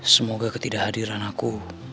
semoga ketidakhadiran aku